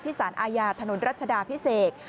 สารอาญาถนนรัชดาพิเศษ